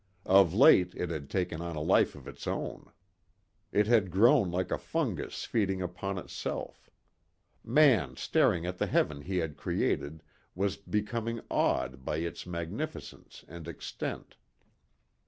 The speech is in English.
Of late it had taken on a life of its own. It had grown like a fungus feeding upon itself. Man staring at the heaven he had created was becoming awed by its magnificence and extent.